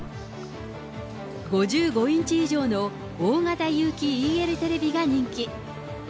５５インチ以上の大型有機ＥＬテレビが人気。